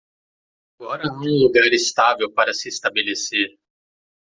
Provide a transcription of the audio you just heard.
Agora há um lugar estável para se estabelecer.